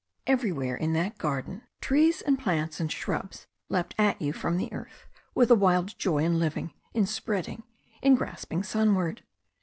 Everywhere in that garden trees and plants and shrubs leapt at you from the earth, with a wild joy in living, in spreading, in grasping sunward.